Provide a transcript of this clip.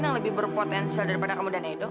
yang lebih berpotensi daripada kamu dan edo